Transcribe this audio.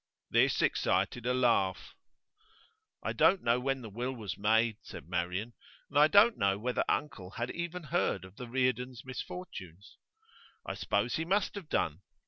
This excited a laugh. 'I don't know when the will was made,' said Marian. 'And I don't know whether uncle had even heard of the Reardons' misfortunes. I suppose he must have done.